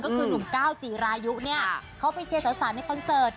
ก็คือหนุ่มก้าวจีรายุเนี่ยเขาไปเชียร์สาวในคอนเสิร์ต